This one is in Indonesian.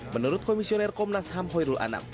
menurut komisioner komnas hamhoi rul anak